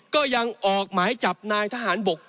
ก็ยังออกหมายจับนายทหารบก